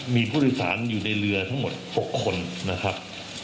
มีผู้โดยสารอยู่ในเรือทั้งหมด๖คนนะครับ